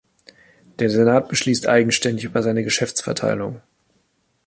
Der Senat beschließt eigenständig über seine Geschäftsverteilung.